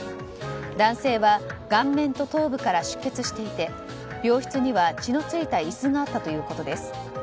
男性は顔面と頭部から出血していて病室には血の付いた椅子があったということです。